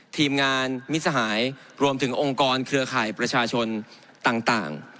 ทีมงานมิสหายรวมถึงองค์กรเครือข่ายประชาชนต่าง